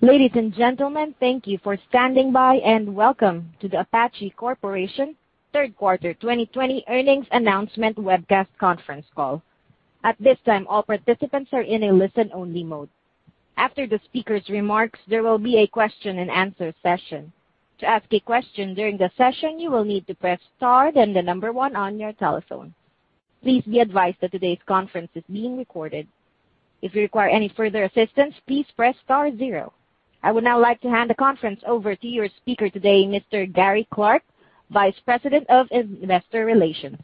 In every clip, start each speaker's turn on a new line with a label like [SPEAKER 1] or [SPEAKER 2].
[SPEAKER 1] Ladies and gentlemen, thank you for standing by, and welcome to the Apache Corporation Q3 2020 Earnings Announcement Webcast Conference Call. At this time, all participants are in a listen-only mode. After the speakers' remarks, there will be a question and answer session. To ask a question during the session, you will need to press star then the number one on your telephone. Please be advised that today's conference is being recorded. If you require any further assistance, please press star zero. I would now like to hand the conference over to your speaker today, Mr. Gary Clark, Vice President of Investor Relations.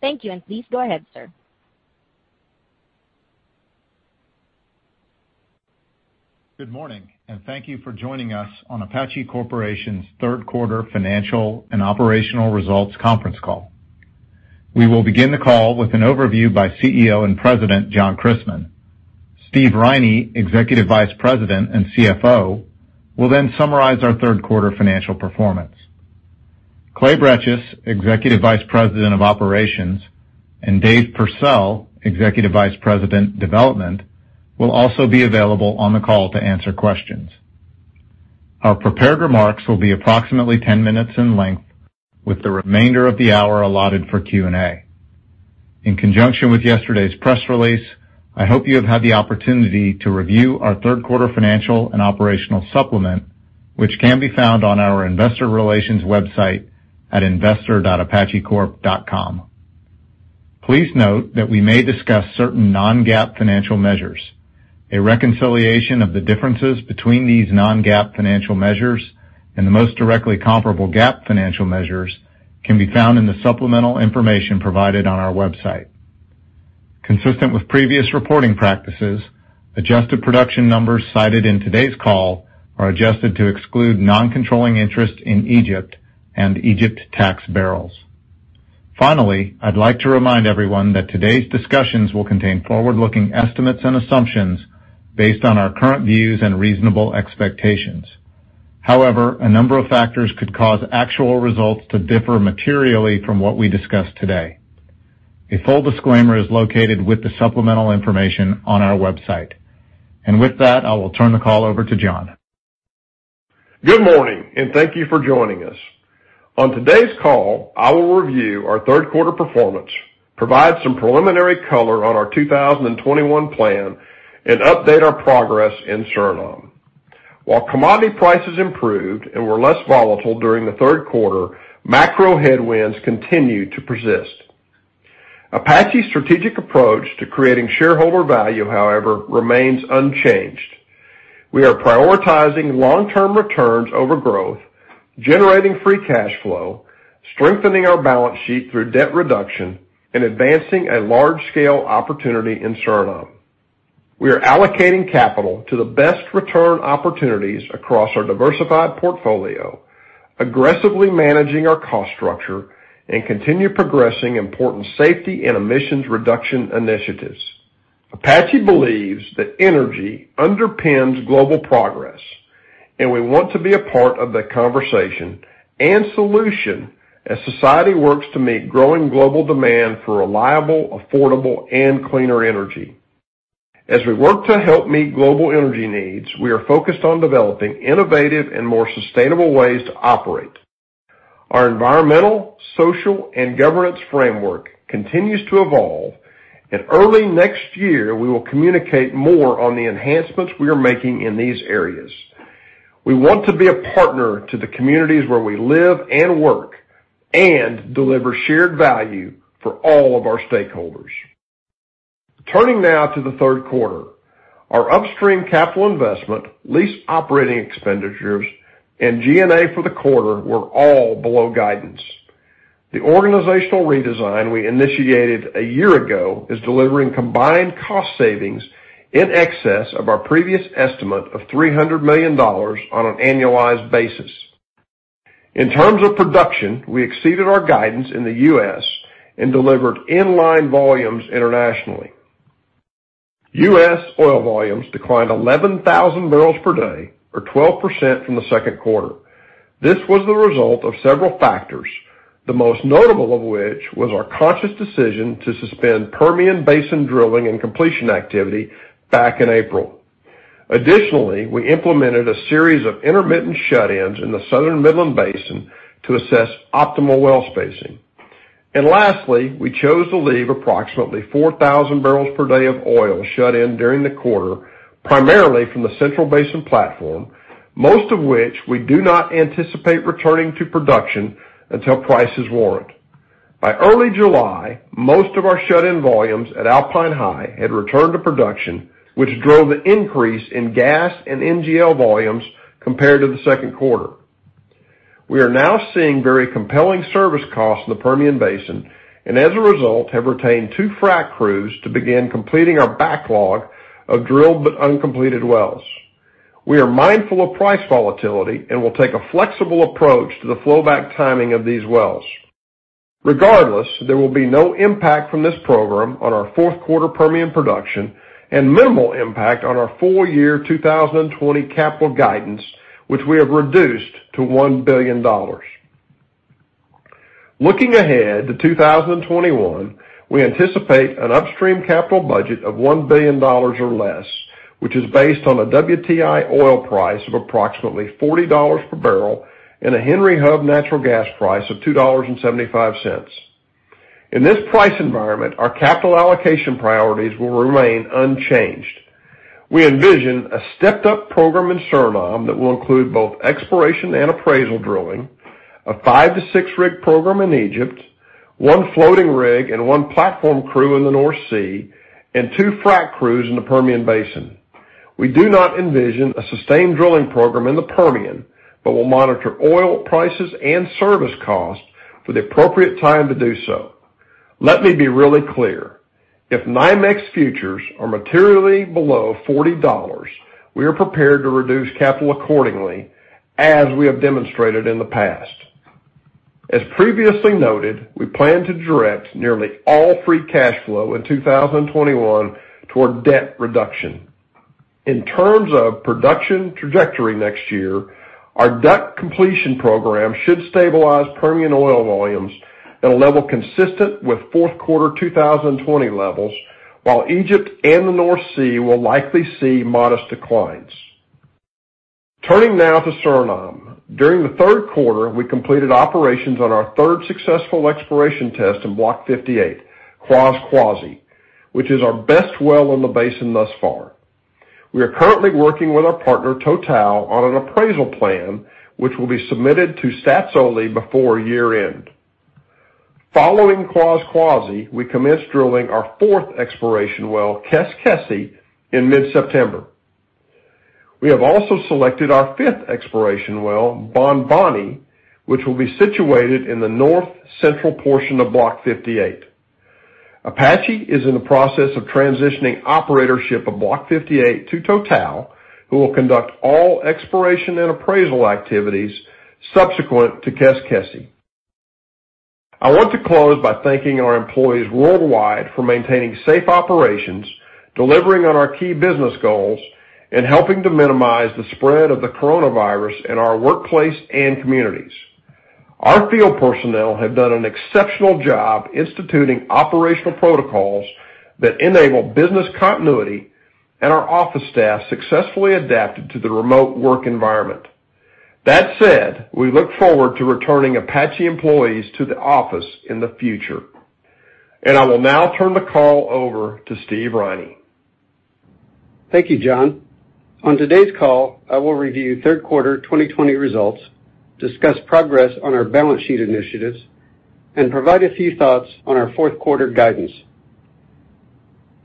[SPEAKER 1] Thank you, and please go ahead, sir.
[SPEAKER 2] Good morning, and thank you for joining us on Apache Corporation's Q3 Financial and Operational Results Conference Call. We will begin the call with an overview by CEO and President, John Christmann. Stephen Riney, Executive Vice President and CFO, will then summarize our Q3 financial performance. Clay Bretches, Executive Vice President of Operations, and Dave Pursell, Executive Vice President, Development, will also be available on the call to answer questions. Our prepared remarks will be approximately 10 minutes in length, with the remainder of the hour allotted for Q&A. In conjunction with yesterday's press release, I hope you have had the opportunity to review our Q3 financial and operational supplement, which can be found on our investor relations website at investor.apachecorp.com. Please note that we may discuss certain non-GAAP financial measures. A reconciliation of the differences between these non-GAAP financial measures and the most directly comparable GAAP financial measures can be found in the supplemental information provided on our website. Consistent with previous reporting practices, adjusted production numbers cited in today's call are adjusted to exclude non-controlling interest in Egypt and Egypt tax barrels. Finally, I'd like to remind everyone that today's discussions will contain forward-looking estimates and assumptions based on our current views and reasonable expectations. However, a number of factors could cause actual results to differ materially from what we discuss today. A full disclaimer is located with the supplemental information on our website. With that, I will turn the call over to John.
[SPEAKER 3] Good morning, and thank you for joining us. On today's call, I will review our Q3 performance, provide some preliminary color on our 2021 plan, and update our progress in Suriname. While commodity prices improved and were less volatile during the Q3, macro headwinds continued to persist. Apache's strategic approach to creating shareholder value, however, remains unchanged. We are prioritizing long-term returns over growth, generating free cash flow, strengthening our balance sheet through debt reduction, and advancing a large-scale opportunity in Suriname. We are allocating capital to the best return opportunities across our diversified portfolio, aggressively managing our cost structure, and continue progressing important safety and emissions reduction initiatives. Apache believes that energy underpins global progress, and we want to be a part of the conversation and solution as society works to meet growing global demand for reliable, affordable, and cleaner energy. As we work to help meet global energy needs, we are focused on developing innovative and more sustainable ways to operate. Our environmental, social, and governance framework continues to evolve. Early next year, we will communicate more on the enhancements we are making in these areas. We want to be a partner to the communities where we live and work and deliver shared value for all of our stakeholders. Turning now to the Q3. Our upstream capital investment, lease operating expenditures, and G&A for the quarter were all below guidance. The organizational redesign we initiated a year ago is delivering combined cost savings in excess of our previous estimate of $300 million on an annualized basis. In terms of production, we exceeded our guidance in the U.S. and delivered in-line volumes internationally. U.S. oil volumes declined 11,000 barrels per day or 12% from the second quarter. This was the result of several factors, the most notable of which was our conscious decision to suspend Permian Basin drilling and completion activity back in April. Additionally, we implemented a series of intermittent shut-ins in the Southern Midland Basin to assess optimal well spacing. Lastly, we chose to leave approximately 4,000 barrels per day of oil shut in during the quarter, primarily from the Central Basin Platform, most of which we do not anticipate returning to production until prices warrant. By early July, most of our shut-in volumes at Alpine High had returned to production, which drove the increase in gas and NGL volumes compared to the second quarter. We are now seeing very compelling service costs in the Permian Basin. As a result, have retained two frac crews to begin completing our backlog of drilled but uncompleted wells. We are mindful of price volatility and will take a flexible approach to the flow back timing of these wells. Regardless, there will be no impact from this program on our fourth quarter Permian production and minimal impact on our full year 2020 capital guidance, which we have reduced to $1 billion. Looking ahead to 2021, we anticipate an upstream capital budget of $1 billion or less, which is based on a WTI oil price of approximately $40 per barrel and a Henry Hub natural gas price of $2.75. In this price environment, our capital allocation priorities will remain unchanged. We envision a stepped-up program in Suriname that will include both exploration and appraisal drilling, a five to six-rig program in Egypt, one floating rig and one platform crew in the North Sea, and two frac crews in the Permian Basin. We do not envision a sustained drilling program in the Permian, but will monitor oil prices and service costs for the appropriate time to do so. Let me be really clear. If NYMEX futures are materially below $40, we are prepared to reduce capital accordingly, as we have demonstrated in the past. As previously noted, we plan to direct nearly all free cash flow in 2021 toward debt reduction. In terms of production trajectory next year, our DUC completion program should stabilize Permian oil volumes at a level consistent with fourth quarter 2020 levels, while Egypt and the North Sea will likely see modest declines. Turning now to Suriname. During the Q3, we completed operations on our third successful exploration test in Block 58, Kwaskwasi, which is our best well in the basin thus far. We are currently working with our partner, Total, on an appraisal plan, which will be submitted to Staatsolie before year-end. Following Kwaskwasi, we commenced drilling our fourth exploration well, Keskesi, in mid-September. We have also selected our fifth exploration well, Bonboni, which will be situated in the north-central portion of Block 58. Apache is in the process of transitioning operatorship of Block 58 to Total, who will conduct all exploration and appraisal activities subsequent to Keskesi. I want to close by thanking our employees worldwide for maintaining safe operations, delivering on our key business goals, and helping to minimize the spread of the coronavirus in our workplace and communities. Our field personnel have done an exceptional job instituting operational protocols that enable business continuity, and our office staff successfully adapted to the remote work environment. That said, we look forward to returning Apache employees to the office in the future. I will now turn the call over to Steve Riney.
[SPEAKER 4] Thank you, John. On today's call, I will review Q3 2020 results, discuss progress on our balance sheet initiatives, and provide a few thoughts on our fourth quarter guidance.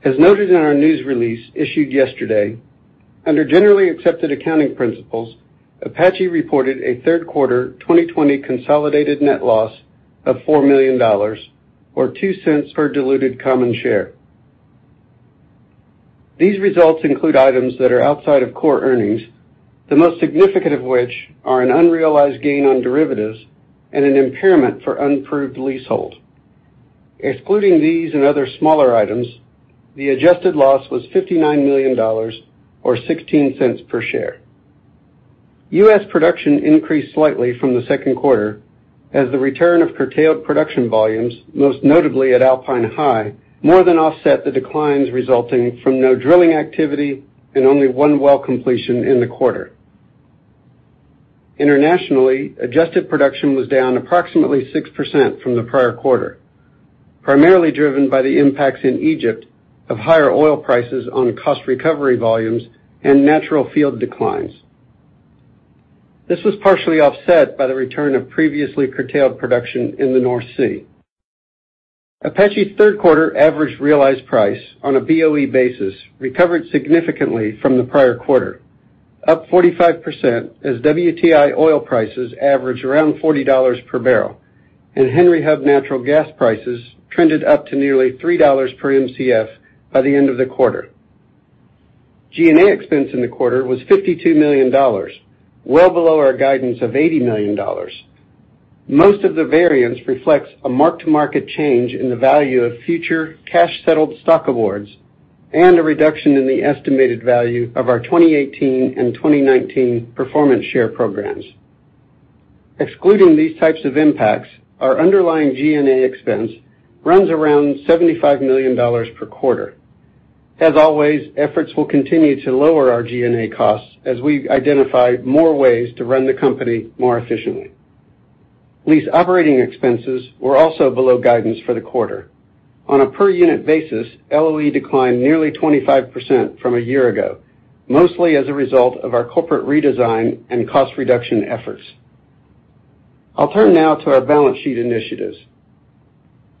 [SPEAKER 4] As noted in our news release issued yesterday, under generally accepted accounting principles, Apache reported a Q3 2020 consolidated net loss of $4 million, or $0.02 per diluted common share. These results include items that are outside of core earnings, the most significant of which are an unrealized gain on derivatives and an impairment for unproved leasehold. Excluding these and other smaller items, the adjusted loss was $59 million, or $0.16 per share. U.S. production increased slightly from the second quarter as the return of curtailed production volumes, most notably at Alpine High, more than offset the declines resulting from no drilling activity and only one well completion in the quarter. Internationally, adjusted production was down approximately 6% from the prior quarter, primarily driven by the impacts in Egypt of higher oil prices on cost recovery volumes and natural field declines. This was partially offset by the return of previously curtailed production in the North Sea. APA's Q3 average realized price on a BOE basis recovered significantly from the prior quarter, up 45% as WTI oil prices averaged around $40 per barrel and Henry Hub natural gas prices trended up to nearly $3 per Mcf by the end of the quarter. G&A expense in the quarter was $52 million, well below our guidance of $80 million. Most of the variance reflects a mark-to-market change in the value of future cash-settled stock awards and a reduction in the estimated value of our 2018 and 2019 performance share programs. Excluding these types of impacts, our underlying G&A expense runs around $75 million per quarter. As always, efforts will continue to lower our G&A costs as we identify more ways to run the company more efficiently. Lease operating expenses were also below guidance for the quarter. On a per unit basis, LOE declined nearly 25% from a year ago, mostly as a result of our corporate redesign and cost reduction efforts. I'll turn now to our balance sheet initiatives.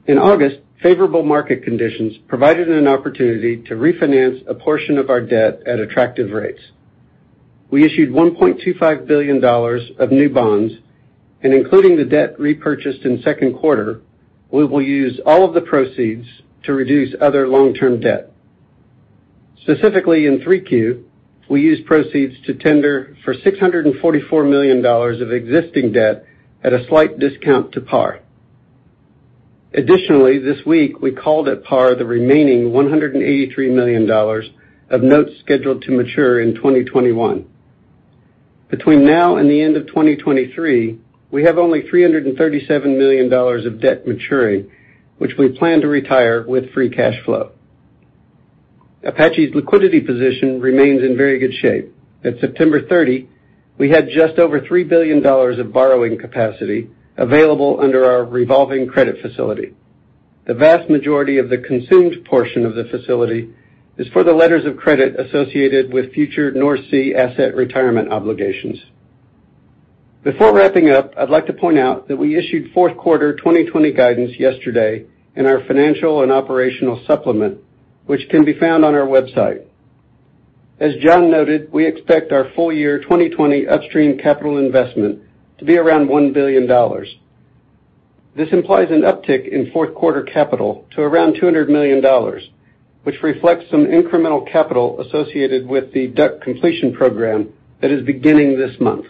[SPEAKER 4] In August, favorable market conditions provided an opportunity to refinance a portion of our debt at attractive rates. We issued $1.25 billion of new bonds, and including the debt repurchased in the second quarter, we will use all of the proceeds to reduce other long-term debt. Specifically, in Q3, we used proceeds to tender for $644 million of existing debt at a slight discount to par. Additionally, this week, we called at par the remaining $183 million of notes scheduled to mature in 2021. Between now and the end of 2023, we have only $337 million of debt maturing, which we plan to retire with free cash flow. Apache's liquidity position remains in very good shape. At September 30, we had just over $3 billion of borrowing capacity available under our revolving credit facility. The vast majority of the consumed portion of the facility is for the letters of credit associated with future North Sea asset retirement obligations. Before wrapping up, I'd like to point out that we issued fourth quarter 2020 guidance yesterday in our financial and operational supplement, which can be found on our website. As John noted, we expect our full year 2020 upstream capital investment to be around $1 billion. This implies an uptick in fourth quarter capital to around $200 million, which reflects some incremental capital associated with the DUC completion program that is beginning this month.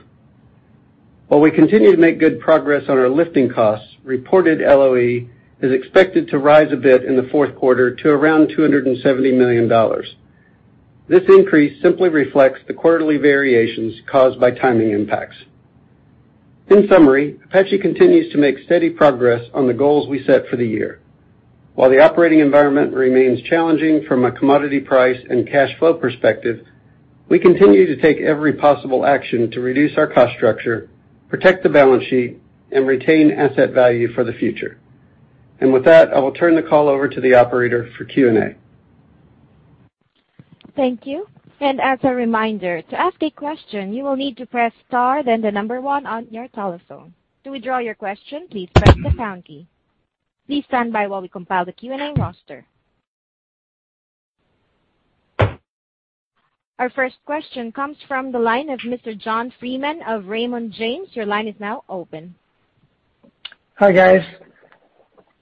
[SPEAKER 4] While we continue to make good progress on our lifting costs, reported LOE is expected to rise a bit in the fourth quarter to around $270 million. This increase simply reflects the quarterly variations caused by timing impacts. In summary, Apache continues to make steady progress on the goals we set for the year. While the operating environment remains challenging from a commodity price and cash flow perspective, we continue to take every possible action to reduce our cost structure, protect the balance sheet, and retain asset value for the future. With that, I will turn the call over to the operator for Q&A.
[SPEAKER 1] Thank you. As a reminder, to ask a question, you will need to press star, then the number one on your telephone. To withdraw your question, please press the pound key. Please stand by while we compile the Q&A roster. Our first question comes from the line of Mr. John Freeman of Raymond James. Your line is now open.
[SPEAKER 5] Hi, guys.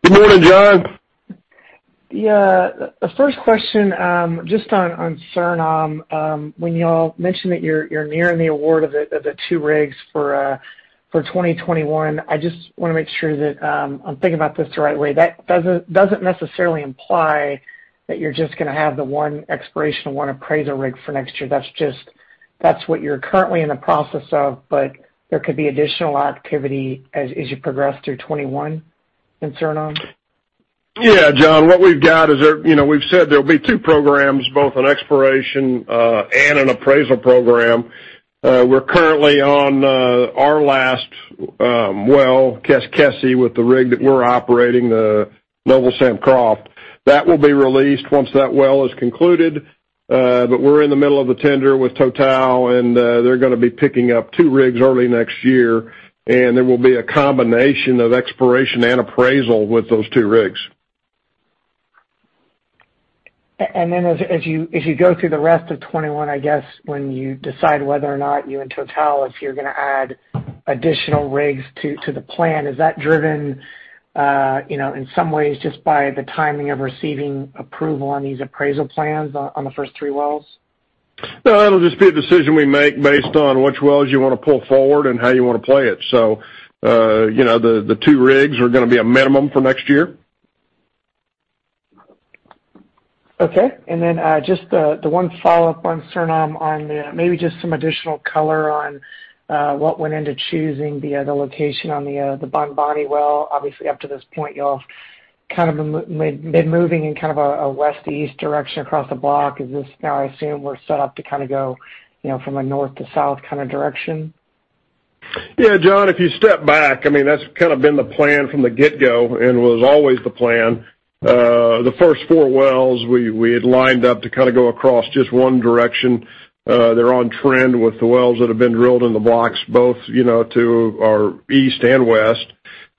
[SPEAKER 3] Good morning, John.
[SPEAKER 5] Yeah. The first question, just on Suriname, when y'all mentioned that you're nearing the award of the two rigs for 2021, I just want to make sure that I'm thinking about this the right way. That doesn't necessarily imply that you're just going to have the one exploration, one appraisal rig for next year. That's what you're currently in the process of, but there could be additional activity as you progress through 2021 in Suriname?
[SPEAKER 3] Yeah, John. What we've got is we've said there'll be two programs, both an exploration and an appraisal program. We're currently on our last well, Keskesi, with the rig that we're operating, the Noble Sam Croft. That will be released once that well is concluded. We're in the middle of the tender with Total, and they're going to be picking up two rigs early next year, and there will be a combination of exploration and appraisal with those two rigs.
[SPEAKER 5] As you go through the rest of 2021, I guess when you decide whether or not you and Total, if you're going to add additional rigs to the plan, is that driven in some ways just by the timing of receiving approval on these appraisal plans on the first three wells?
[SPEAKER 3] No, it'll just be a decision we make based on which wells you want to pull forward and how you want to play it. The two rigs are going to be a minimum for next year.
[SPEAKER 5] Okay. Then just the one follow-up on Suriname on maybe just some additional color on what went into choosing the other location on the Bonboni well. Obviously, up to this point, you all kind of made moving in kind of a west to east direction across the block. Is this now, I assume we're set up to kind of go from a north to south kind of direction?
[SPEAKER 3] Yeah, John, if you step back, that's kind of been the plan from the get-go and was always the plan. The first four wells we had lined up to kind of go across just one direction. They're on trend with the wells that have been drilled in the blocks, both to our east and west,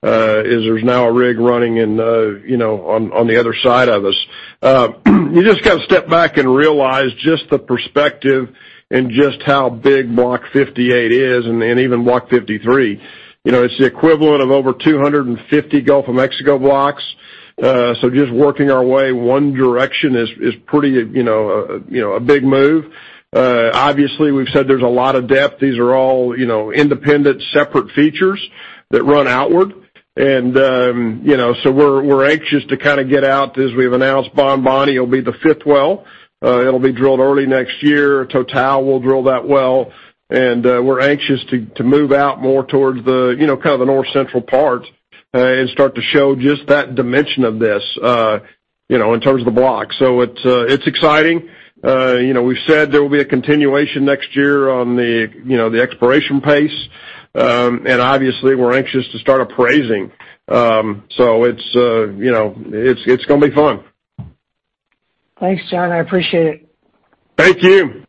[SPEAKER 3] is there's now a rig running on the other side of us. You just got to step back and realize just the perspective and just how big Block 58 is and even Block 53. It's the equivalent of over 250 Gulf of Mexico blocks. Just working our way one direction is a big move. Obviously, we've said there's a lot of depth. These are all independent, separate features that run outward. We're anxious to kind of get out, as we've announced Bonboni will be the fifth well. It'll be drilled early next year. Total will drill that well. We're anxious to move out more towards the north central part and start to show just that dimension of this in terms of the block. It's exciting. We've said there will be a continuation next year on the exploration pace. Obviously, we're anxious to start appraising. It's going to be fun.
[SPEAKER 5] Thanks, John. I appreciate it.
[SPEAKER 3] Thank you.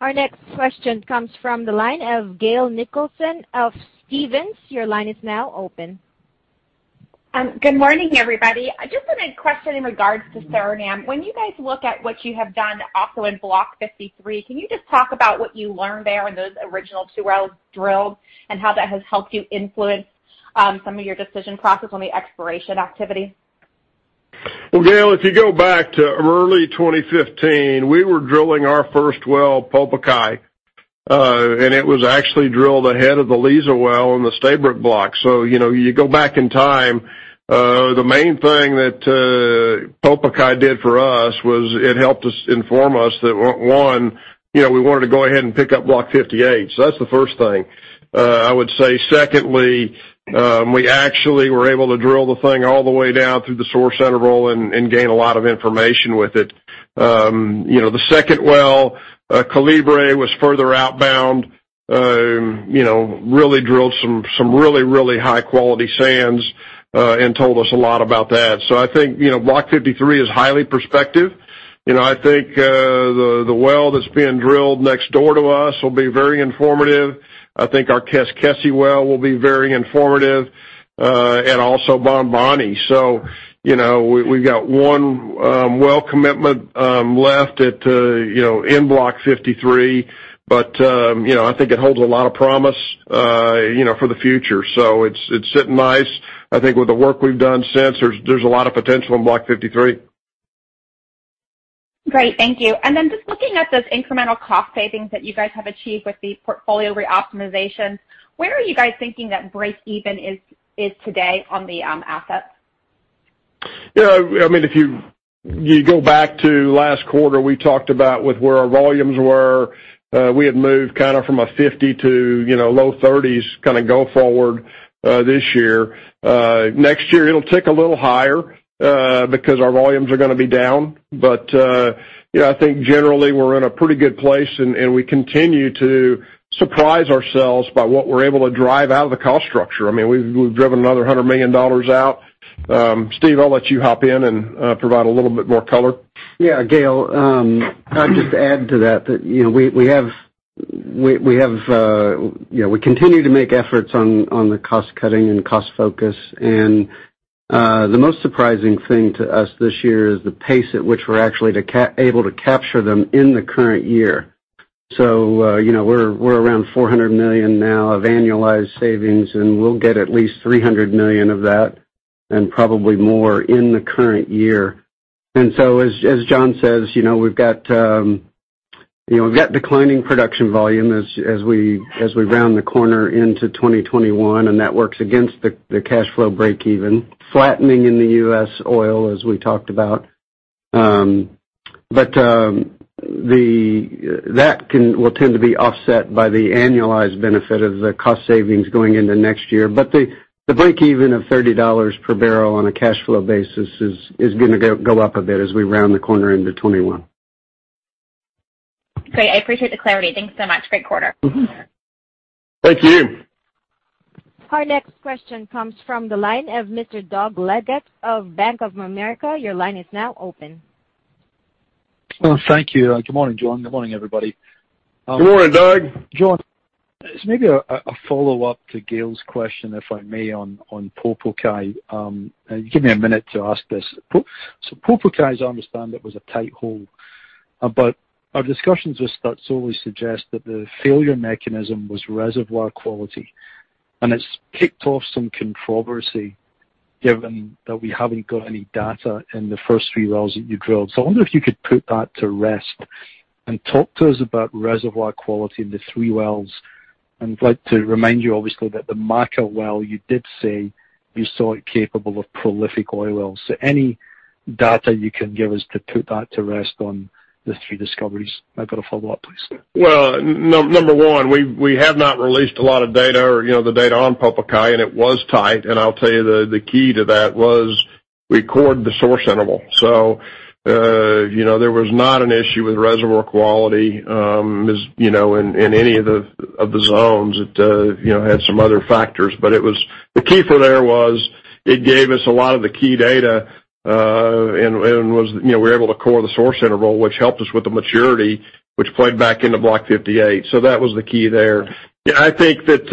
[SPEAKER 1] Our next question comes from the line of Gail Nicholson of Stephens. Your line is now open.
[SPEAKER 6] Good morning, everybody. Just a question in regards to Suriname. When you guys look at what you have done also in Block 53, can you just talk about what you learned there in those original two wells drilled, and how that has helped you influence some of your decision process on the exploration activity?
[SPEAKER 3] Well, Gail, if you go back to early 2015, we were drilling our first well, Popokai. It was actually drilled ahead of the Liza well in the Stabroek Block. You go back in time, the main thing that Popokai did for us was it helped us inform us that, one, we wanted to go ahead and pick up Block 58. That's the first thing. I would say, secondly, we actually were able to drill the thing all the way down through the source interval and gain a lot of information with it. The second well, Kolibri, was further outbound, really drilled some high-quality sands, and told us a lot about that. I think, Block 53 is highly prospective. The well that's being drilled next door to us will be very informative. Our Keskesi well will be very informative, and also Bonboni. We've got one well commitment left in Block 53. It holds a lot of promise for the future. It's sitting nice. With the work we've done since, there's a lot of potential in Block 53.
[SPEAKER 6] Great, thank you. Then just looking at those incremental cost savings that you guys have achieved with the portfolio re-optimization, where are you guys thinking that breakeven is today on the assets?
[SPEAKER 3] If you go back to last quarter, we talked about with where our volumes were. We had moved from a 50 to low 30s go forward this year. Next year, it'll tick a little higher, because our volumes are going to be down. I think generally we're in a pretty good place, and we continue to surprise ourselves by what we're able to drive out of the cost structure. We've driven another $100 million out. Steve, I'll let you hop in and provide a little bit more color.
[SPEAKER 4] Yeah. Gail, I'll just add to that we continue to make efforts on the cost-cutting and cost focus. The most surprising thing to us this year is the pace at which we're actually able to capture them in the current year. We're around $400 million now of annualized savings, and we'll get at least $300 million of that, and probably more in the current year. As John says, we've got declining production volume as we round the corner into 2021, and that works against the cash flow break even, flattening in the U.S. oil, as we talked about. That will tend to be offset by the annualized benefit of the cost savings going into next year. The break even of $30 per barrel on a cash flow basis is gonna go up a bit as we round the corner into 2021.
[SPEAKER 6] Great. I appreciate the clarity. Thanks so much. Great quarter.
[SPEAKER 3] Thank you.
[SPEAKER 1] Our next question comes from the line of Mr. Doug Leggate of Bank of America. Your line is now open.
[SPEAKER 7] Thank you. Good morning, John. Good morning, everybody.
[SPEAKER 3] Good morning, Doug.
[SPEAKER 7] John, just maybe a follow-up to Gail's question, if I may, on Popokai. Give me a minute to ask this. Popokai, as I understand it, was a tight hole. Our discussions with Staatsolie suggest that the failure mechanism was reservoir quality, and it's kicked off some controversy given that we haven't got any data in the first three wells that you drilled. I wonder if you could put that to rest and talk to us about reservoir quality in the three wells. I'd like to remind you, obviously, that the Maka well you did say you saw it capable of prolific oil wells. Any data you can give us to put that to rest on the three discoveries. I've got a follow-up, please.
[SPEAKER 3] Number one, we have not released a lot of data, or the data on Popokai, and it was tight. I'll tell you, the key to that was we cored the source interval. There was not an issue with reservoir quality in any of the zones. It had some other factors. The key for there was it gave us a lot of the key data, and we were able to core the source interval, which helped us with the maturity, which played back into Block 58. That was the key there. I think that,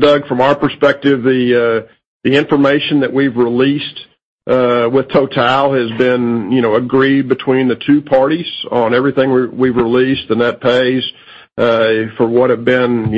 [SPEAKER 3] Doug, from our perspective, the information that we've released with Total has been agreed between the two parties on everything we've released, the net pays for what have been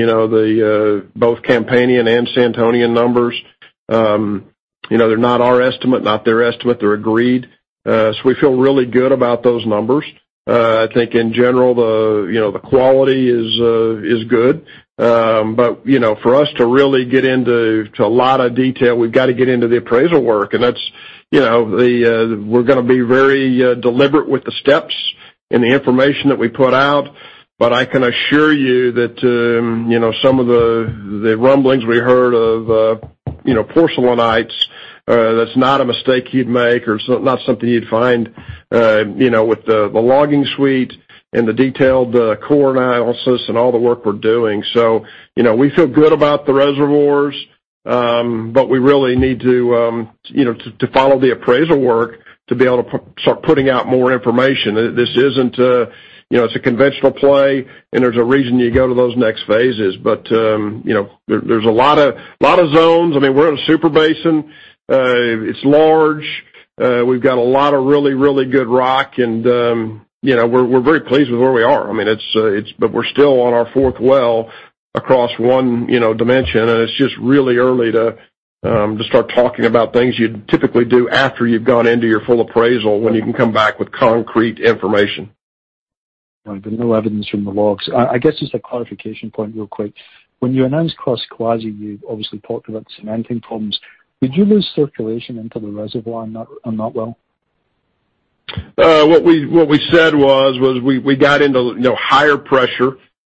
[SPEAKER 3] both Campanian and Santonian numbers. They're not our estimate, not their estimate. They're agreed. We feel really good about those numbers. I think in general, the quality is good. For us to really get into a lot of detail, we've got to get into the appraisal work. We're going to be very deliberate with the steps and the information that we put out. I can assure you that some of the rumblings we heard of porcellanites, that's not a mistake you'd make or not something you'd find with the logging suite and the detailed core analysis and all the work we're doing. We feel good about the reservoirs, but we really need to follow the appraisal work to be able to start putting out more information. It's a conventional play, and there's a reason you go to those next phases. There's a lot of zones. We're in a super basin. It's large. We've got a lot of really, really good rock, and we're very pleased with where we are. We're still on our fourth well. Across one dimension, and it's just really early to start talking about things you'd typically do after you've gone into your full appraisal when you can come back with concrete information.
[SPEAKER 7] No evidence from the logs. I guess just a clarification point real quick. When you announced Kwaskwasi, you obviously talked about cementing problems. Did you lose circulation into the reservoir on that well?
[SPEAKER 3] What we said was we got into higher pressure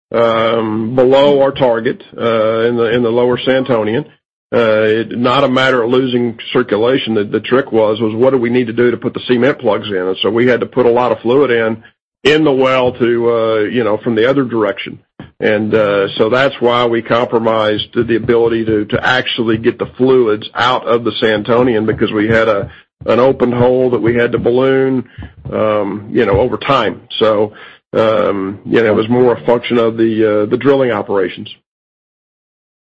[SPEAKER 3] below our target in the Lower Santonian. Not a matter of losing circulation. The trick was what do we need to do to put the cement plugs in? We had to put a lot of fluid in the well from the other direction. That's why we compromised the ability to actually get the fluids out of the Santonian because we had an open hole that we had to balloon over time. It was more a function of the drilling operations.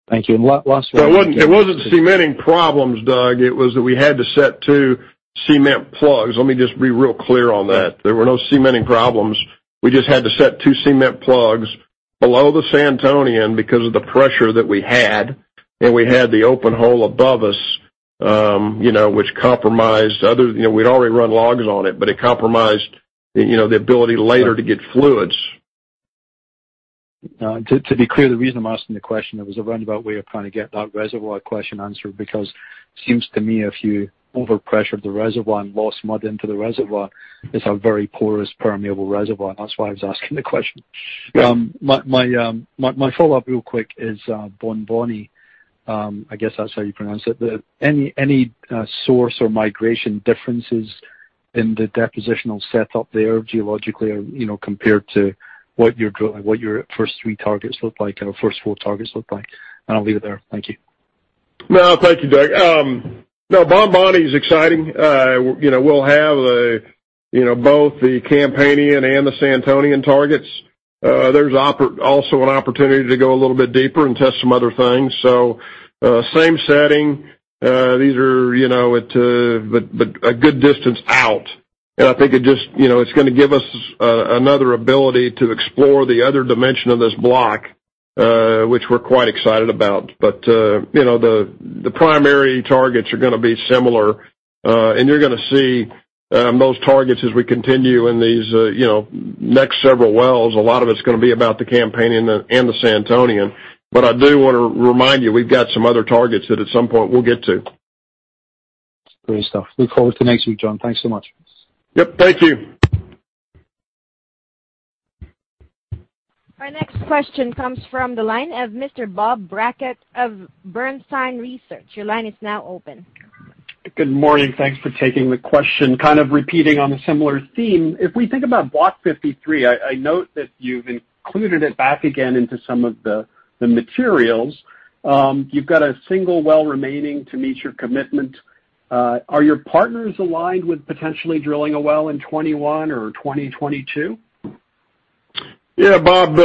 [SPEAKER 7] Thank you. Last one.
[SPEAKER 3] It wasn't cementing problems, Doug. It was that we had to set two cement plugs. Let me just be real clear on that. There were no cementing problems. We just had to set two cement plugs below the Santonian because of the pressure that we had, and we had the open hole above us, which compromised. We'd already run logs on it, but it compromised the ability later to get fluids.
[SPEAKER 7] To be clear, the reason I'm asking the question, it was a roundabout way of trying to get that reservoir question answered, because it seems to me if you over pressured the reservoir and lost mud into the reservoir, it's a very porous, permeable reservoir. That's why I was asking the question.
[SPEAKER 3] Yeah.
[SPEAKER 7] My follow-up real quick is Bonboni. I guess that's how you pronounce it. Any source or migration differences in the depositional setup there geologically, compared to what your first three targets look like, or first four targets look like? I'll leave it there. Thank you.
[SPEAKER 3] Thank you, Doug. Bonboni is exciting. We'll have both the Campanian and the Santonian targets. There's also an opportunity to go a little bit deeper and test some other things. Same setting. These are a good distance out, and I think it's gonna give us another ability to explore the other dimension of this block, which we're quite excited about. The primary targets are gonna be similar. You're gonna see those targets as we continue in these next several wells. A lot of it's gonna be about the Campanian and the Santonian. I do want to remind you, we've got some other targets that at some point we'll get to.
[SPEAKER 7] Great stuff. Look forward to next week, John. Thanks so much.
[SPEAKER 3] Yes. Thank you.
[SPEAKER 1] Our next question comes from the line of Mr. Bob Brackett of Bernstein Research. Your line is now open.
[SPEAKER 8] Good morning. Thanks for taking the question. Kind of repeating on a similar theme. If we think about Block 53, I note that you've included it back again into some of the materials. You've got a single well remaining to meet your commitment. Are your partners aligned with potentially drilling a well in 2021 or 2022?
[SPEAKER 3] Yeah, Bob,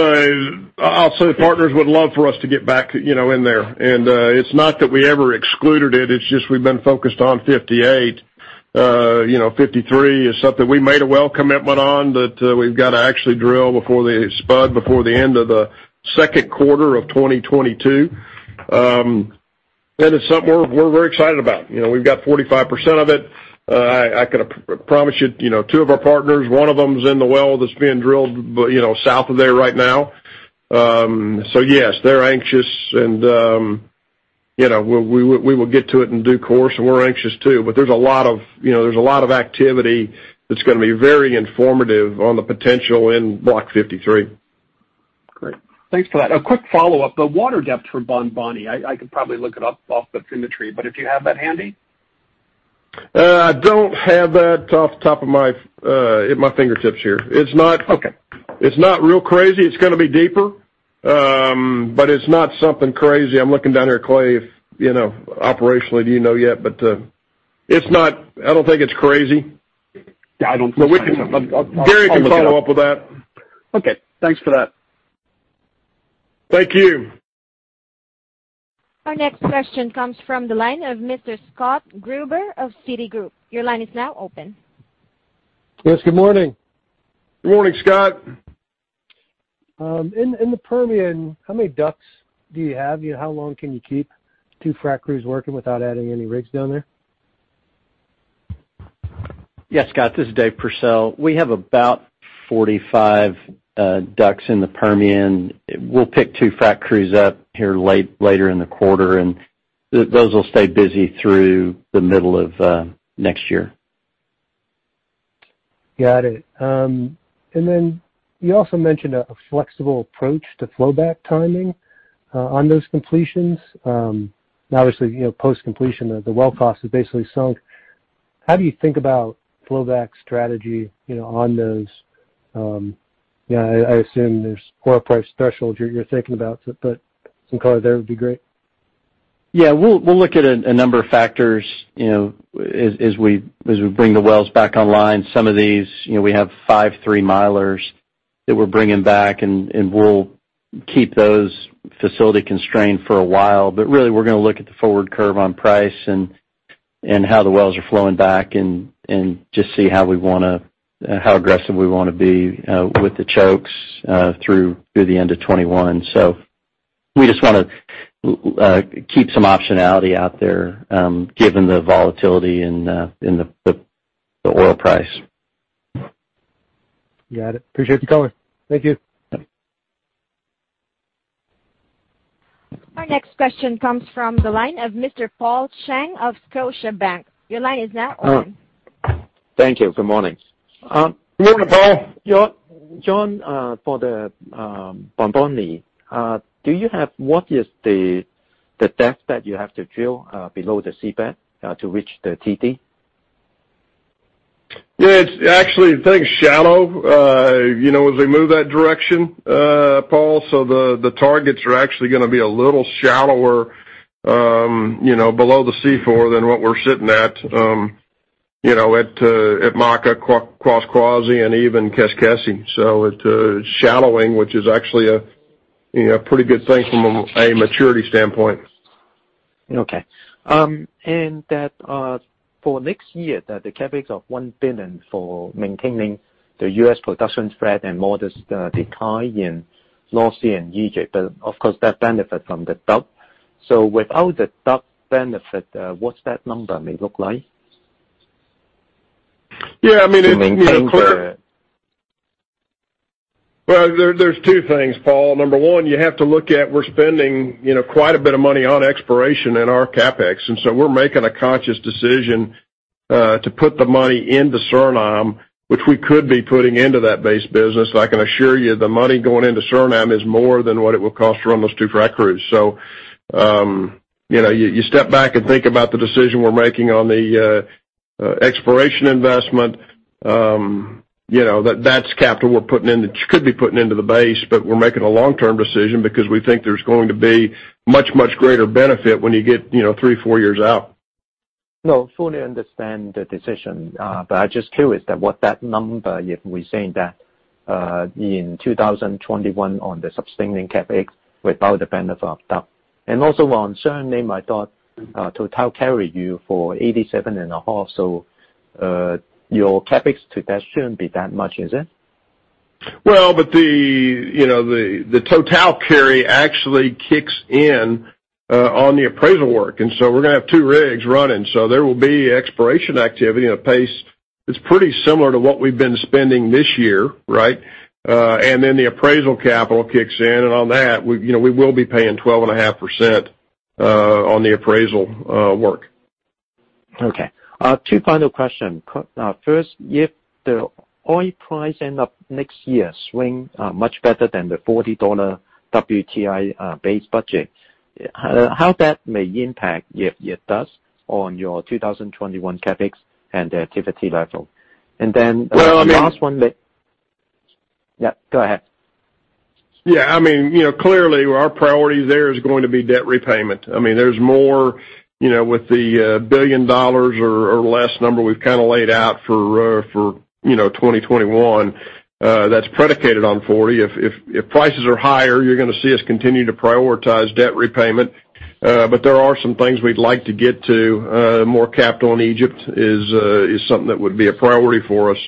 [SPEAKER 3] I'll say partners would love for us to get back in there. It's not that we ever excluded it's just we've been focused on 58. 53 is something we made a well commitment on that we've got to actually drill before they spud before the end of the second quarter of 2022. It's something we're very excited about. We've got 45% of it. I can promise you, two of our partners, one of them is in the well that's being drilled south of there right now. Yes, they're anxious and we will get to it in due course, and we're anxious too. There's a lot of activity that's going to be very informative on the potential in Block 53.
[SPEAKER 8] Great. Thanks for that. A quick follow-up. The water depth for Bonboni. I could probably look it up off the bathymetry, but if you have that handy.
[SPEAKER 3] I don't have that off top of my fingertips here.
[SPEAKER 8] Okay.
[SPEAKER 3] It's not real crazy. It's gonna be deeper. It's not something crazy. I'm looking down here at Clay, operationally, do you know yet? I don't think it's crazy.
[SPEAKER 8] Yeah, I don't think so.
[SPEAKER 3] Gary can follow up with that.
[SPEAKER 8] Okay. Thanks for that.
[SPEAKER 3] Thank you.
[SPEAKER 1] Our next question comes from the line of Mr. Scott Gruber of Citigroup. Your line is now open.
[SPEAKER 9] Yes, good morning.
[SPEAKER 3] Good morning, Scott.
[SPEAKER 9] In the Permian, how many DUCs do you have? How long can you keep two frac crews working without adding any rigs down there?
[SPEAKER 10] Yeah, Scott, this is Dave Pursell. We have about 45 DUCs in the Permian. We'll pick two frac crews up here later in the quarter, and those will stay busy through the middle of next year.
[SPEAKER 9] Got it. You also mentioned a flexible approach to flow back timing on those completions. Obviously, post-completion, the well cost is basically sunk. How do you think about flow back strategy on those? I assume there's core price thresholds you're thinking about, some color there would be great.
[SPEAKER 10] Yeah, we'll look at a number of factors as we bring the wells back online. Some of these, we have five three-milers that we're bringing back. We'll keep those facility constrained for a while. Really, we're going to look at the forward curve on price. How the wells are flowing back and just see how aggressive we want to be with the chokes through the end of 2021. We just want to keep some optionality out there given the volatility in the oil price.
[SPEAKER 3] Got it. Appreciate you calling. Thank you.
[SPEAKER 10] Yes.
[SPEAKER 1] Our next question comes from the line of Mr. Paul Cheng of Scotiabank. Your line is now open.
[SPEAKER 11] Thank you. Good morning.
[SPEAKER 3] Good morning, Paul.
[SPEAKER 11] John, for the Bonboni, what is the depth that you have to drill below the seabed to reach the TD?
[SPEAKER 3] Yeah, actually, I think shallow as we move that direction, Paul. The targets are actually going to be a little shallower below the seafloor than what we're sitting at Maka, Kwaskwasi, and even Keskesi. It's shallowing, which is actually a pretty good thing from a maturity standpoint.
[SPEAKER 11] Okay. That for next year, the CapEx of $1 billion for maintaining the U.S. production spread and modest decline in North Sea and Egypt, but of course, that benefit from the DUC. Without the DUC benefit, what's that number may look like?
[SPEAKER 3] Yeah, I mean.
[SPEAKER 11] To maintain.
[SPEAKER 3] There's two things, Paul. Number one, you have to look at, we're spending quite a bit of money on exploration in our CapEx. We're making a conscious decision to put the money into Suriname, which we could be putting into that base business. I can assure you the money going into Suriname is more than what it will cost to run those two frac crews. You step back and think about the decision we're making on the exploration investment. That's capital we could be putting into the base, but we're making a long-term decision because we think there's going to be much, much greater benefit when you get three, four years out.
[SPEAKER 11] No, fully understand the decision. I'm just curious what that number, if we're saying that in 2021 on the sustaining CapEx without the benefit of DUC. Also on Suriname, I thought Total carry you for 87.5%, your CapEx to that shouldn't be that much, is it?
[SPEAKER 3] Well, the Total carry actually kicks in on the appraisal work. We're going to have two rigs running. There will be exploration activity at a pace that's pretty similar to what we've been spending this year, right? The appraisal capital kicks in, and on that, we will be paying 12.5% on the appraisal work.
[SPEAKER 11] Okay. Two final questions. First, if the oil price end up next year swing much better than the $40 WTI base budget, how that may impact, if it does, on your 2021 CapEx and the activity level?
[SPEAKER 3] Well, I mean.
[SPEAKER 11] The last one. Yes, go ahead.
[SPEAKER 3] Yeah. Clearly, our priorities there is going to be debt repayment. There's more with the $1 billion or less number we've laid out for 2021. That's predicated on 40. If prices are higher, you're going to see us continue to prioritize debt repayment. There are some things we'd like to get to. More capital in Egypt is something that would be a priority for us.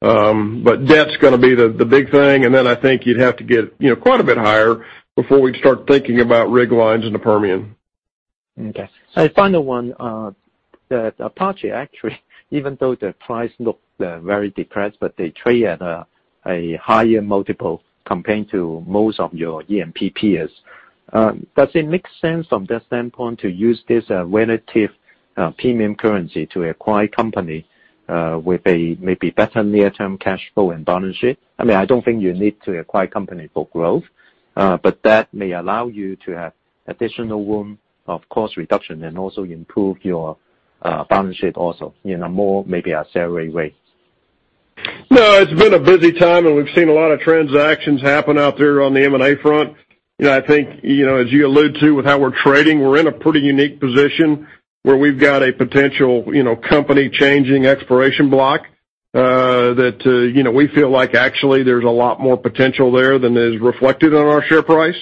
[SPEAKER 3] Debt's going to be the big thing. I think you'd have to get quite a bit higher before we'd start thinking about rig lines in the Permian.
[SPEAKER 11] Okay. Final one. That Apache actually, even though the price looks very depressed, but they trade at a higher multiple compared to most of your E&P peers. Does it make sense from that standpoint to use this relative premium currency to acquire company with a maybe better near-term cash flow and balance sheet? I don't think you need to acquire company for growth. That may allow you to have additional room of cost reduction and also improve your balance sheet also in a more maybe accelerated rate.
[SPEAKER 3] No, it's been a busy time, and we've seen a lot of transactions happen out there on the M&A front. I think, as you allude to with how we're trading, we're in a pretty unique position where we've got a potential company-changing exploration block that we feel like actually there's a lot more potential there than is reflected on our share price.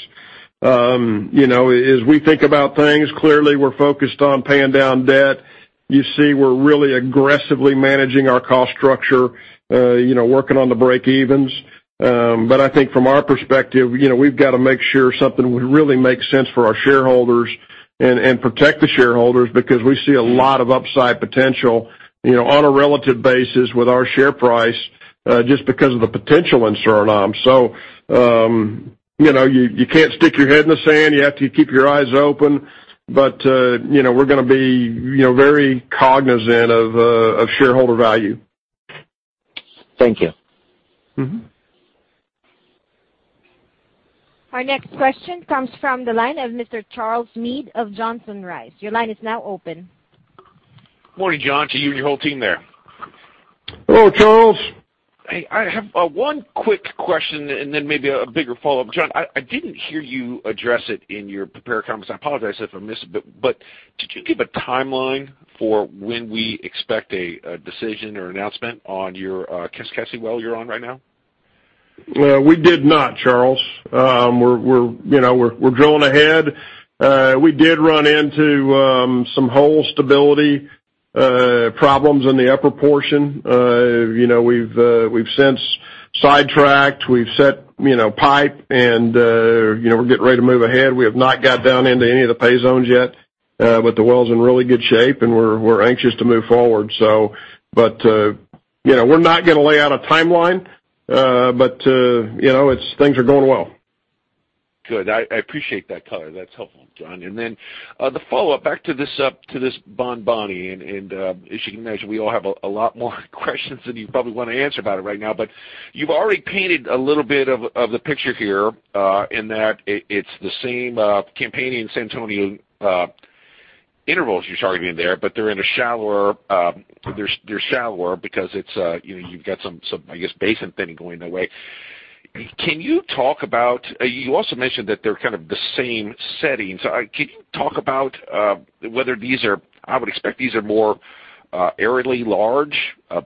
[SPEAKER 3] As we think about things, clearly, we're focused on paying down debt. You see we're really aggressively managing our cost structure, working on the breakevens. I think from our perspective, we've got to make sure something would really make sense for our shareholders and protect the shareholders because we see a lot of upside potential on a relative basis with our share price just because of the potential in Suriname. You can't stick your head in the sand. You have to keep your eyes open. We're going to be very cognizant of shareholder value.
[SPEAKER 11] Thank you.
[SPEAKER 1] Our next question comes from the line of Mr. Charles Meade of Johnson Rice. Your line is now open.
[SPEAKER 12] Morning, John, to you and your whole team there.
[SPEAKER 3] Hello, Charles.
[SPEAKER 12] Hey, I have one quick question and then maybe a bigger follow-up. John, I didn't hear you address it in your prepared comments. I apologize if I missed it, but did you give a timeline for when we expect a decision or announcement on your Keskesi well you're on right now?
[SPEAKER 3] We did not, Charles. We're drilling ahead. We did run into some hole stability problems in the upper portion. We've since sidetracked. We've set pipe and we're getting ready to move ahead. We have not got down into any of the pay zones yet, but the well's in really good shape, and we're anxious to move forward. We're not going to lay out a timeline, but things are going well.
[SPEAKER 12] Good. I appreciate that color. That's helpful, John. The follow-up back to this Bonboni, and as you can imagine, we all have a lot more questions than you probably want to answer about it right now. You've already painted a little bit of the picture here, in that it's the same Campanian, Santonian intervals you're targeting there, but they're shallower because you've got some, I guess, basin thinning going that way. You also mentioned that they're kind of the same settings. I would expect these are more areally large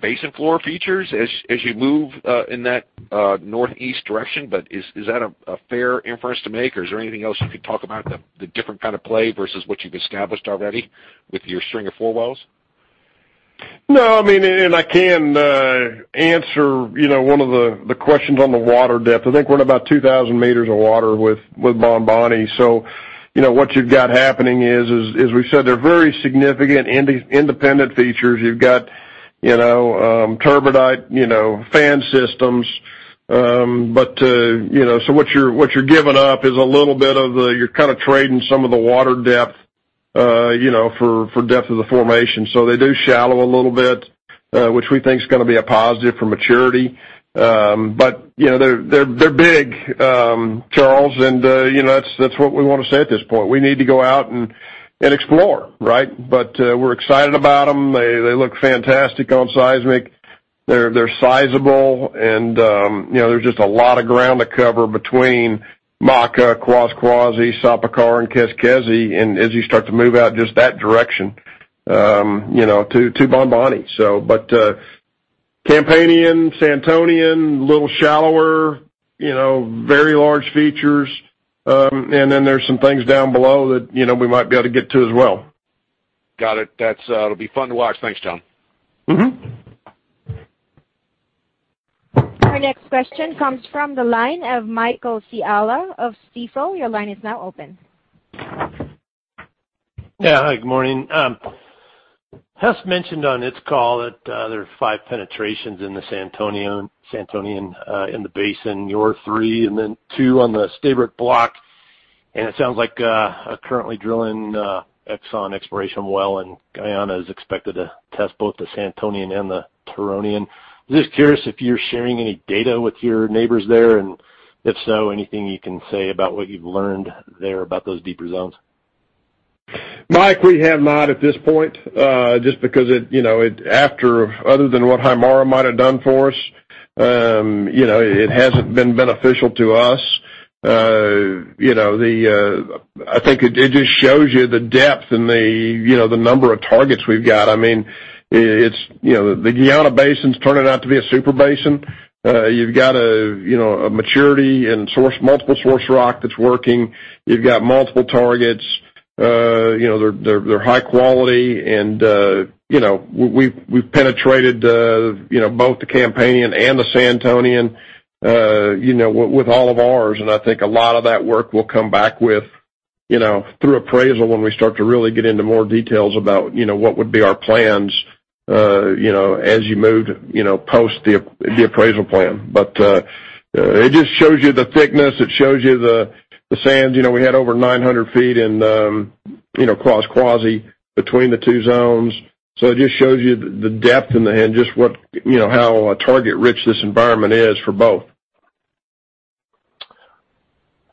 [SPEAKER 12] basin floor features as you move in that northeast direction. Is that a fair inference to make, or is there anything else you could talk about the different kind of play versus what you've established already with your string of four wells?
[SPEAKER 3] No. I can answer one of the questions on the water depth. I think we're in about 2,000 meters of water with Bonboni. What you've got happening is, as we've said, they're very significant independent features. You've got turbidite fan systems. What you're giving up is you're trading some of the water depth for depth of the formation. They do shallow a little bit, which we think is going to be a positive for maturity. They're big, Charles, and that's what we want to say at this point. We need to go out and explore. We're excited about them. They look fantastic on seismic. They're sizable and there's just a lot of ground to cover between Maka, Kwaskwasi, Sapakara, and Keskesi, and as you start to move out just that direction to Bonboni. Campanian, Santonian, a little shallower, very large features. There's some things down below that we might be able to get to as well.
[SPEAKER 12] Got it. That will be fun to watch. Thanks, John.
[SPEAKER 1] Our next question comes from the line of Michael Scialla of Stifel. Your line is now open.
[SPEAKER 13] Yeah. Hi, good morning. Hess mentioned on its call that there are five penetrations in the Santonian in the basin, you're three, and then two on the Stabroek Block. It sounds like currently drilling ExxonMobil exploration well in Guyana is expected to test both the Santonian and the Turonian. Just curious if you're sharing any data with your neighbors there, and if so, anything you can say about what you've learned there about those deeper zones?
[SPEAKER 3] Michael, we have not at this point, just because other than what Haimara might've done for us, it hasn't been beneficial to us. I think it just shows you the depth and the number of targets we've got. The Guyana-Suriname Basin's turning out to be a super basin. You've got a maturity and multiple source rock that's working. You've got multiple targets. They're high quality and we've penetrated both the Campanian and the Santonian with all of ours. A lot of that work we'll come back with through appraisal when we start to really get into more details about what would be our plans as you move post the appraisal plan. It just shows you the thickness. It shows you the sands. We had over 900 feet in Kwaskwasi between the two zones. It just shows you the depth and just how target-rich this environment is for both.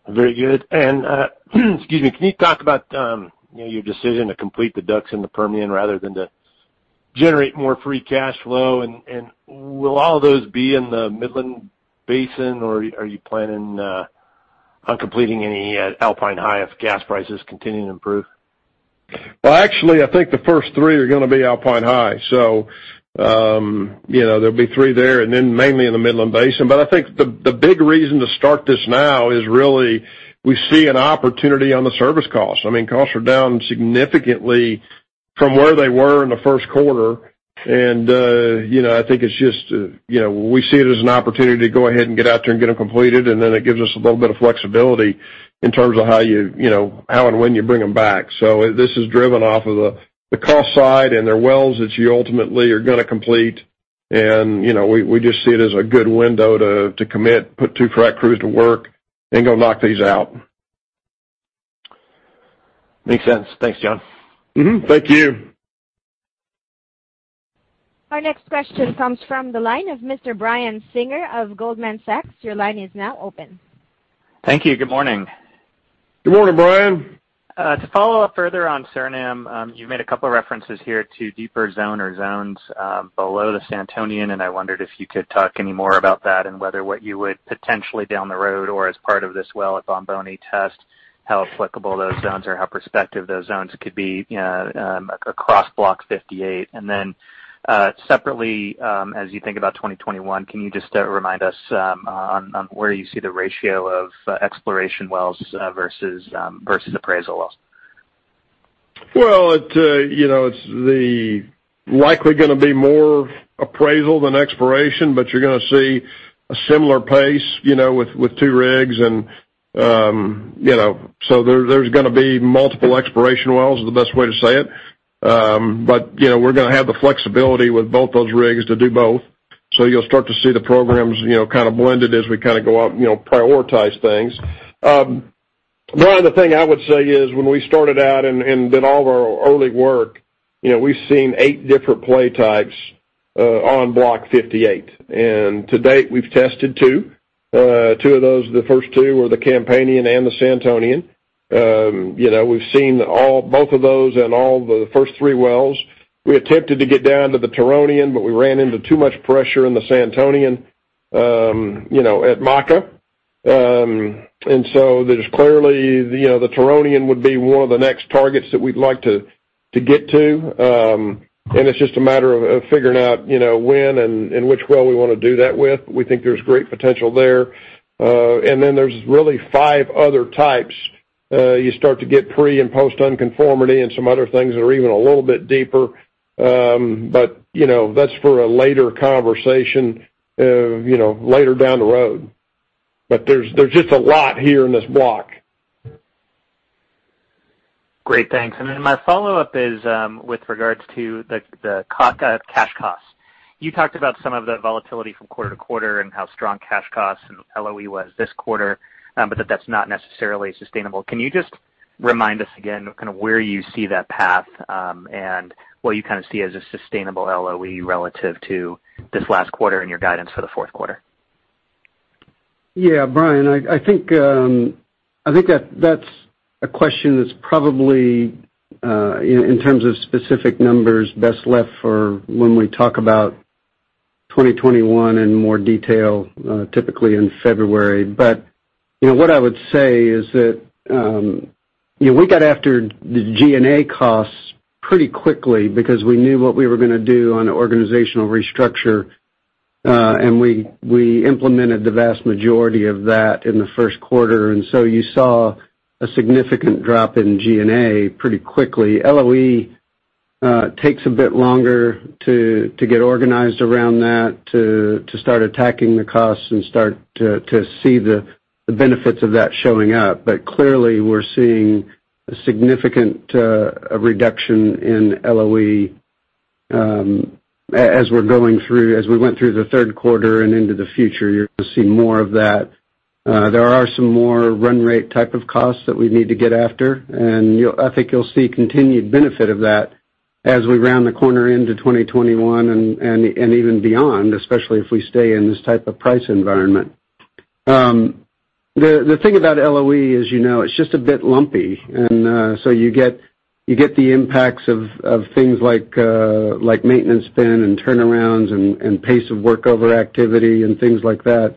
[SPEAKER 13] Very good. Excuse me, can you talk about your decision to complete the DUCs in the Permian rather than to generate more free cash flow, will all of those be in the Midland Basin, or are you planning on completing any Alpine High if gas prices continue to improve?
[SPEAKER 3] Well, actually, the first three are gonna be Alpine High. There'll be three there and then mainly in the Midland Basin. I think the big reason to start this now is really we see an opportunity on the service costs. Costs are down significantly from where they were in the Q1. We see it as an opportunity to go ahead and get out there and get them completed, and then it gives us a little bit of flexibility in terms of how and when you bring them back. This is driven off of the cost side, and they're wells that you ultimately are gonna complete. We just see it as a good window to commit, put two frac crews to work, and go knock these out.
[SPEAKER 13] Makes sense. Thanks, John.
[SPEAKER 3] Thank you.
[SPEAKER 1] Our next question comes from the line of Mr. Brian Singer of Goldman Sachs. Your line is now open.
[SPEAKER 14] Thank you. Good morning.
[SPEAKER 3] Good morning, Brian.
[SPEAKER 14] To follow up further on Suriname, you've made a couple of references here to deeper zone or zones below the Santonian, I wondered if you could talk any more about that and whether what you would potentially down the road or as part of this well at Bonboni test, how applicable those zones or how prospective those zones could be across Block 58. Separately, as you think about 2021, can you just remind us on where you see the ratio of exploration wells versus appraisal wells?
[SPEAKER 3] It's likely going to be more appraisal than exploration, but you're going to see a similar pace with two rigs. There's going to be multiple exploration wells, is the best way to say it. We're going to have the flexibility with both those rigs to do both. You'll start to see the programs kind of blended as we go out and prioritize things. The other thing I would say is when we started out and did all of our early work, we've seen eight different play types on Block 58. To date, we've tested two. Two of those, the first two were the Campanian and the Santonian. We've seen both of those in all the first three wells. We attempted to get down to the Turonian, but we ran into too much pressure in the Santonian at Maka. There's clearly, the Turonian would be one of the next targets that we'd like to get to. It's just a matter of figuring out when and which well we want to do that with. We think there's great potential there. There's really five other types. You start to get pre- and post-unconformity, and some other things that are even a little bit deeper. That's for a later conversation later down the road. There's just a lot here in this block.
[SPEAKER 14] Great, thanks. My follow-up is with regards to the cash costs. You talked about some of the volatility from quarter to quarter and how strong cash costs and LOE was this quarter, but that's not necessarily sustainable. Can you just remind us again, kind of where you see that path, and what you kind of see as a sustainable LOE relative to this last quarter and your guidance for the fourth quarter?
[SPEAKER 4] Yeah. Brian, I think that's a question that's probably, in terms of specific numbers, best left for when we talk about 2021 in more detail, typically in February. What I would say is that we got after the G&A costs pretty quickly because we knew what we were going to do on the organizational restructure. We implemented the vast majority of that in the Q1, and so you saw a significant drop in G&A pretty quickly. LOE takes a bit longer to get organized around that to start attacking the costs and start to see the benefits of that showing up. Clearly, we're seeing a significant reduction in LOE as we went through the Q3 and into the future, you're going to see more of that. There are some more run rate type of costs that we need to get after, and I think you'll see continued benefit of that as we round the corner into 2021 and even beyond, especially if we stay in this type of price environment. The thing about LOE is it's just a bit lumpy. So you get the impacts of things like maintenance bin and turnarounds and pace of workover activity and things like that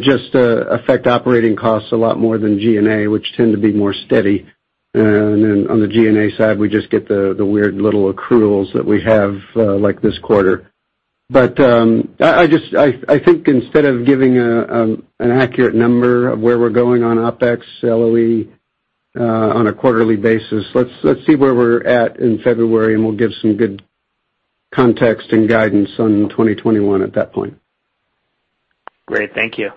[SPEAKER 4] just affect operating costs a lot more than G&A, which tend to be more steady. On the G&A side, we just get the weird little accruals that we have, like this quarter. Instead of giving an accurate number of where we're going on OpEx, LOE on a quarterly basis, let's see where we're at in February, and we'll give some good context and guidance on 2021 at that point.
[SPEAKER 14] Great. Thank you.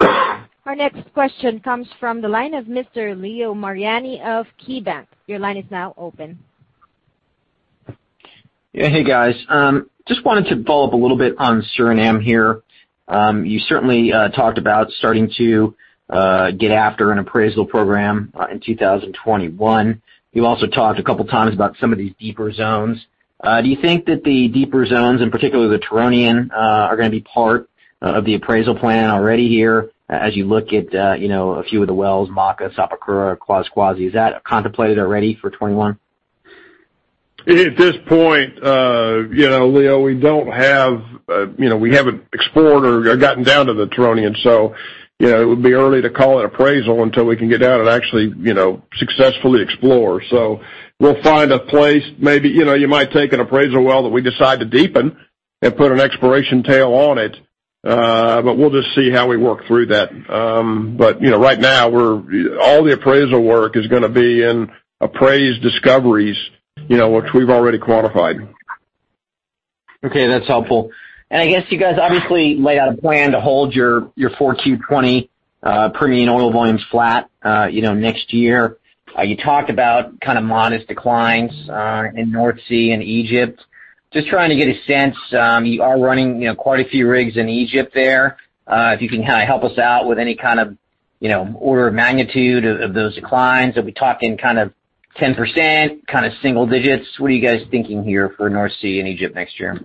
[SPEAKER 1] Our next question comes from the line of Mr. Leo Mariani of KeyBank. Your line is now open.
[SPEAKER 15] Hey, guys. Just wanted to follow up a little bit on Suriname here. You certainly talked about starting to get after an appraisal program in 2021. You also talked a couple of times about some of these deeper zones. Do you think that the deeper zones, in particular the Turonian, are going to be part of the appraisal plan already here as you look at a few of the wells, Maka, Sapakara, Kwaskwasi? Is that contemplated already for 2021?
[SPEAKER 3] At this point, Leo, we haven't explored or gotten down to the Turonian, so it would be early to call it appraisal until we can get down and actually successfully explore. We'll find a place. Maybe you might take an appraisal well that we decide to deepen and put an exploration tail on it. We'll just see how we work through that. Right now, all the appraisal work is going to be in appraised discoveries, which we've already qualified.
[SPEAKER 15] Okay, that's helpful. I guess you guys obviously laid out a plan to hold your Q4 2020 premium oil volumes flat next year. You talked about kind of modest declines in North Sea and Egypt. Just trying to get a sense, you are running quite a few rigs in Egypt there. If you can help us out with any kind of order of magnitude of those declines. Are we talking kind of 10%, kind of single digits? What are you guys thinking here for North Sea and Egypt next year?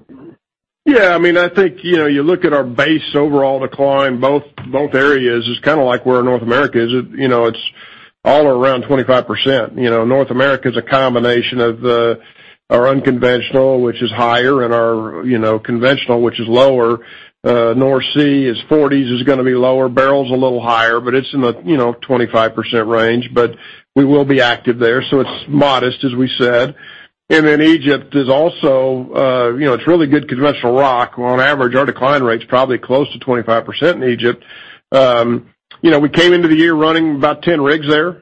[SPEAKER 3] Yeah. I think you look at our base overall decline, both areas is kind of like where North America is. It's all around 25%. North America is a combination of our unconventional, which is higher, and our conventional, which is lower. North Sea is 40s is going to be lower. Barrel is a little higher, but it's in the 25% range. We will be active there, so it's modest, as we said. Egypt is also, it's really good conventional rock. On average, our decline rate's probably close to 25% in Egypt. We came into the year running about 10 rigs there.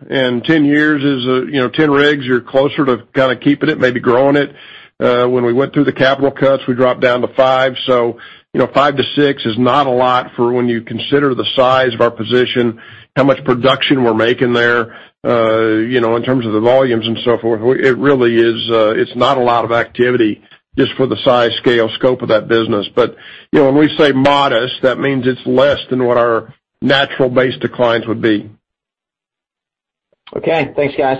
[SPEAKER 3] 10 years is, 10 rigs, you're closer to kind of keeping it, maybe growing it. When we went through the capital cuts, we dropped down to five. Five to six is not a lot for when you consider the size of our position, how much production we're making there, in terms of the volumes and so forth. It's not a lot of activity just for the size, scale, scope of that business. When we say modest, that means it's less than what our natural base declines would be.
[SPEAKER 15] Okay. Thanks, guys.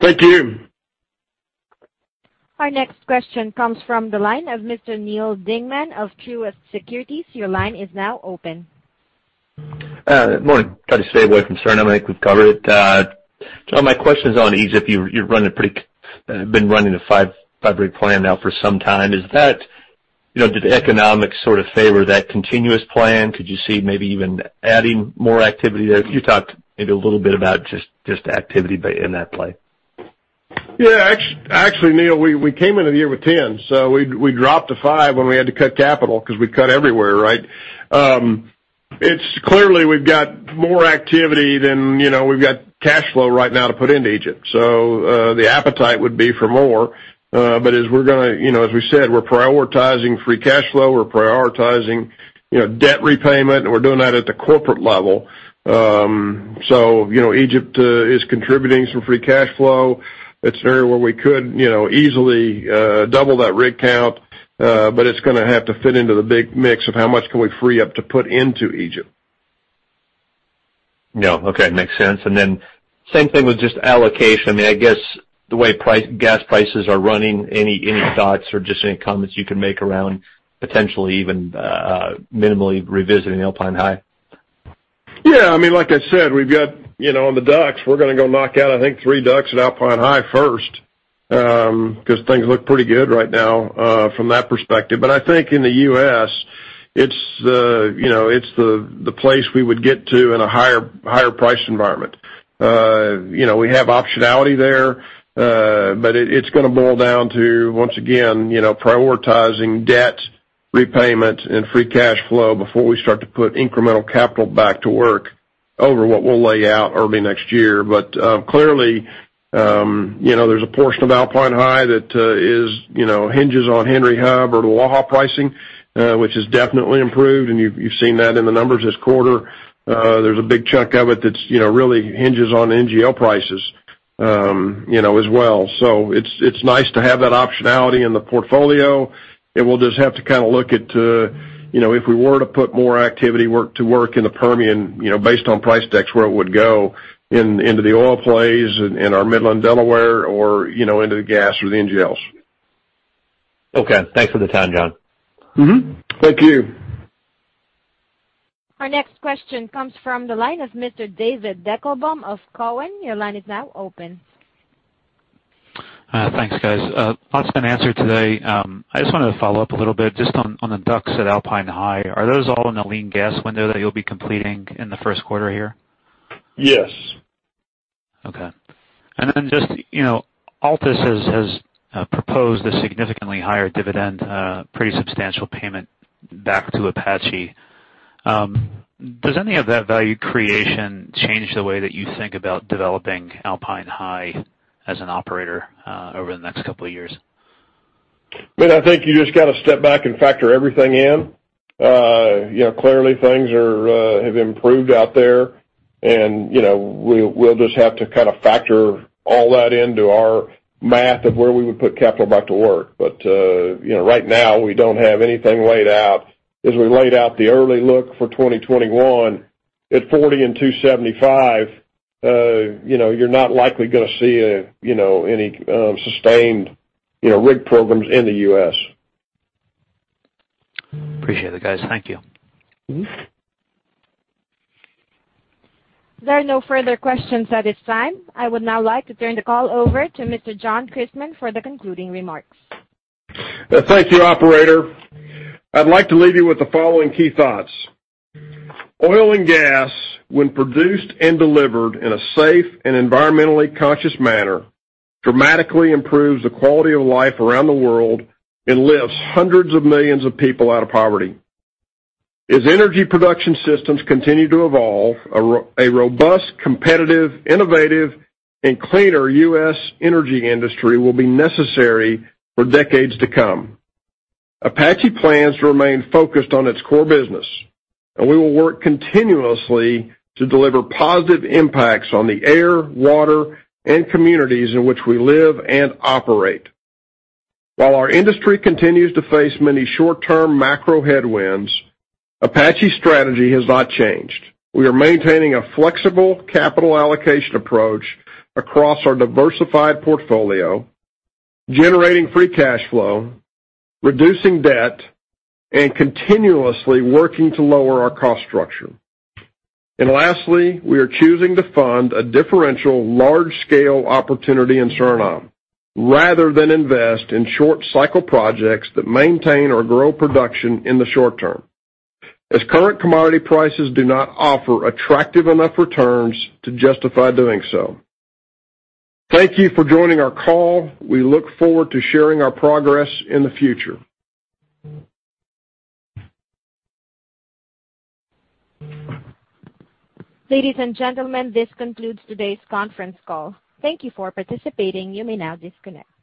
[SPEAKER 3] Thank you.
[SPEAKER 1] Our next question comes from the line of Mr. Neal Dingmann of Truist Securities. Your line is now open.
[SPEAKER 16] Good morning. Tried to stay away from Suriname. I think we've covered it. John, my question's on Egypt. You've been running a five-rig plan now for some time. Did the economics sort of favor that continuous plan? Could you see maybe even adding more activity there? Can you talk maybe a little bit about just activity in that play?
[SPEAKER 3] Yeah. Actually, Neal, we came into the year with 10, so we dropped to five when we had to cut capital because we cut everywhere, right? It's clearly we've got more activity than we've got cash flow right now to put into Egypt. The appetite would be for more. As we said, we're prioritizing free cash flow. We're prioritizing debt repayment, and we're doing that at the corporate level. Egypt is contributing some free cash flow. It's an area where we could easily double that rig count. It's going to have to fit into the big mix of how much can we free up to put into Egypt.
[SPEAKER 16] Yeah. Okay. Makes sense. Same thing with just allocation. I guess the way gas prices are running, any thoughts or just any comments you can make around potentially even minimally revisiting Alpine High?
[SPEAKER 3] Yeah. Like I said, on the DUCs, we're going to go knock out, I think, three DUCs at Alpine High first, because things look pretty good right now from that perspective. In the U.S., it's the place we would get to in a higher price environment. We have optionality there. It's going to boil down to, once again, prioritizing debt repayment and free cash flow before we start to put incremental capital back to work over what we'll lay out early next year. Clearly, there's a portion of Alpine High that hinges on Henry Hub or the Waha pricing, which has definitely improved, and you've seen that in the numbers this quarter. There's a big chunk of it that really hinges on NGL prices as well. It's nice to have that optionality in the portfolio, and we'll just have to look at if we were to put more activity to work in the Permian, based on price decks, where it would go into the oil plays in our Midland Delaware or into the gas or the NGLs.
[SPEAKER 16] Okay. Thanks for the time, John.
[SPEAKER 3] Thank you.
[SPEAKER 1] Our next question comes from the line of Mr. David Deckelbaum of Cowen. Your line is now open.
[SPEAKER 17] Thanks, guys. Lots been answered today. I just wanted to follow up a little bit just on the DUCs at Alpine High. Are those all in the lean gas window that you'll be completing in the Q1 here?
[SPEAKER 3] Yes.
[SPEAKER 17] Okay. Just Altus has proposed a significantly higher dividend, a pretty substantial payment back to Apache. Does any of that value creation change the way that you think about developing Alpine High as an operator over the next couple of years?
[SPEAKER 3] I think you just got to step back and factor everything in. Clearly things have improved out there. We'll just have to factor all that into our math of where we would put capital back to work. Right now, we don't have anything laid out. As we laid out the early look for 2021 at 40 and 275, you're not likely going to see any sustained rig programs in the U.S.
[SPEAKER 17] Appreciate it, guys. Thank you.
[SPEAKER 1] There are no further questions at this time. I would now like to turn the call over to Mr. John Christmann for the concluding remarks.
[SPEAKER 3] Thank you, operator. I'd like to leave you with the following key thoughts. Oil and gas, when produced and delivered in a safe and environmentally conscious manner, dramatically improves the quality of life around the world and lifts hundreds of millions of people out of poverty. As energy production systems continue to evolve, a robust, competitive, innovative and cleaner U.S. energy industry will be necessary for decades to come. Apache plans to remain focused on its core business, and we will work continuously to deliver positive impacts on the air, water, and communities in which we live and operate. While our industry continues to face many short-term macro headwinds, Apache's strategy has not changed. We are maintaining a flexible capital allocation approach across our diversified portfolio, generating free cash flow, reducing debt, and continuously working to lower our cost structure. Lastly, we are choosing to fund a differential large-scale opportunity in Suriname. Rather than invest in short-cycle projects that maintain or grow production in the short term. As current commodity prices do not offer attractive enough returns to justify doing so. Thank you for joining our call. We look forward to sharing our progress in the future.
[SPEAKER 1] Ladies and gentlemen, this concludes today's conference call. Thank you for participating. You may now disconnect.